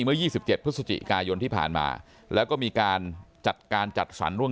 เมื่อ๒๗พฤศจิกายนที่ผ่านมาแล้วก็มีการจัดการจัดสรรร่วม